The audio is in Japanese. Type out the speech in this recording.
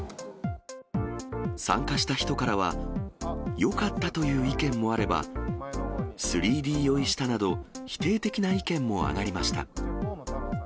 参加した人からは、よかったという意見もあれば、３Ｄ酔いしたなど、否定的な意見も挙がりました。